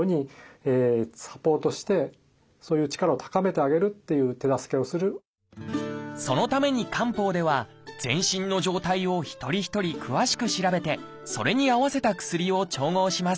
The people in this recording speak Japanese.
でも新型コロナウイルス後遺症に関してはそのために漢方では全身の状態を一人一人詳しく調べてそれに合わせた薬を調合します。